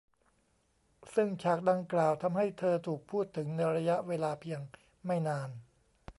ซึ่งฉากดังกล่าวทำให้เธอถูกพูดถึงในระยะเวลาเพียงไม่นาน